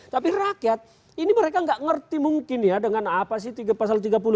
tapi rakyat ini mereka nggak ngerti mungkin ya dengan apa sih pasal tiga puluh delapan